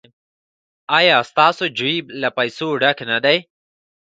ایا ستاسو جیب له پیسو ډک نه دی؟